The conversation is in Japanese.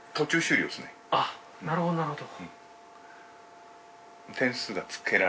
あっなるほどなるほど。